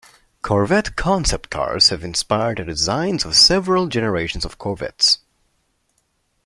Corvette concept cars have inspired the designs of several generations of Corvettes.